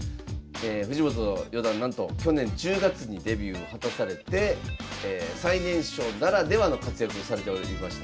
藤本四段なんと去年１０月にデビューを果たされて最年少ならではの活躍をされておりました。